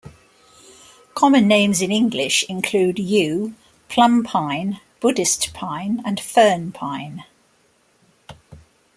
Common names in English include yew plum pine, Buddhist pine and fern pine.